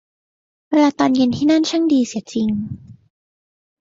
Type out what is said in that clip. เวลาตอนเย็นที่นั่นช่างดีเสียจริง